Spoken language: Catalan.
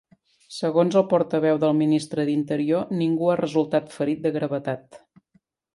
Segons el portaveu del Ministre d'Interior, ningú ha resultat ferit de gravetat.